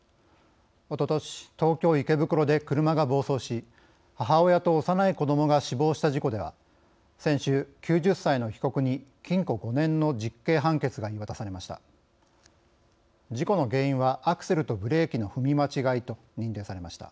おととし、東京・池袋で車が暴走し母親と幼い子どもが死亡した事故では先週、９０歳の被告に禁錮５年の実刑判決が言い渡されました。